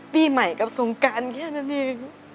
ปีใหม่กับทรงการแค่นั้นอย่างงี้